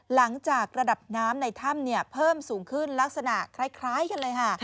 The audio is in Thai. หลังจากระดับน้ำในถ้ำเพิ่มสูงขึ้นลักษณะคล้ายกันเลยค่ะ